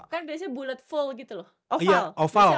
kan biasanya bulet full gitu loh